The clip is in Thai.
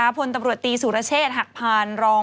หน้าพนตำรวจตีศูรเชษหักพาร์นรอง